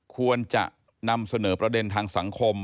ควรจะนำเสนอประเด็นทางสังคม